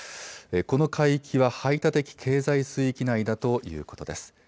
この海域は排他的経済水域内だということです。